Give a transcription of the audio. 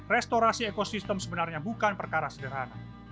restorasi ekosistem sebenarnya bukan perkara sederhana